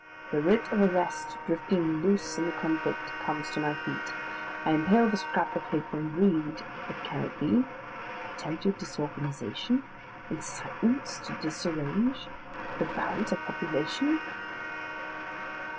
The writ of arrest, drifting loose in the conflict, comes to my feet; I impale the scrap of paper, and read but can it be? "attempted disorganisation? ... incitements to disarrange? ... the balance of population?"